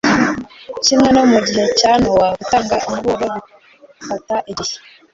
kimwe no mu gihe cya nowa gutanga umuburo bifata igihe